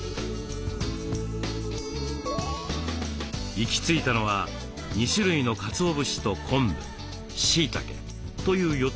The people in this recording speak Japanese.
行き着いたのは２種類のかつお節と昆布しいたけという４つを組み合わせること。